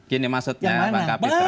gini maksudnya pak kapitra